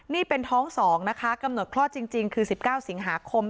นี่เป็นท้อง๒นะคะกำหนดคลอดจริงคือ๑๙สิงหาคม